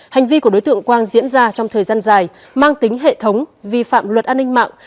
hành vi của đối tượng quang diễn ra trong thời gian dài mang tính hệ thống vi phạm luật an ninh mạng